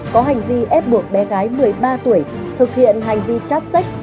có hành vi ép buộc bé gái một mươi ba tuổi thực hiện hành vi chát sách